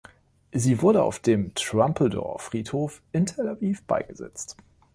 Sie wurde auf dem Trumpeldor-Friedhof in Tel Aviv beigesetzt.